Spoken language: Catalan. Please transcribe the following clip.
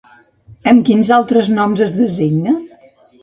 Amb quins altres noms es designa?